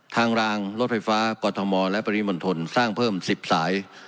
ทางรางรถไฟฟ้าตรปริมณ์ทนสร้างเพิ่มสิบสาย